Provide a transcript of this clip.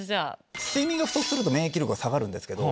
睡眠が不足すると免疫力が下がるんですけど。